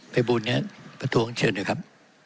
ไปบูทนี้ประทรวงเชิญหน่อยครับ